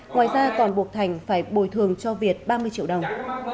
ngoài ra còn buộc thành phải bồi thường cho việt ba mươi triệu đồng